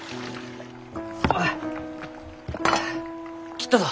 切ったぞ。